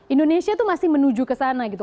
indonesia itu masih menuju ke sana gitu